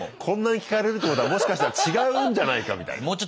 こんなに聞かれるってことはもしかしたら違うんじゃないかみたいな。